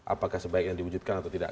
apakah sebaiknya diwujudkan atau tidak